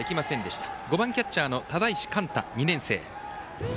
５番、キャッチャーの只石貫太、２年生。